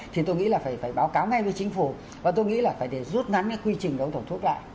thì tôi nghĩ là phải báo cáo ngay với chính phủ và tôi nghĩ là phải để rút ngắn cái quy trình đấu thầu thuốc lại